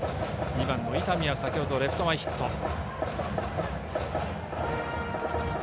２番の伊丹は先ほどレフト前ヒット。